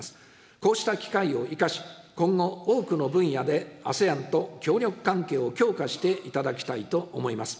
こうした機会を生かし、今後、多くの分野でＡＳＥＡＮと協力関係を強化していただきたいと思います。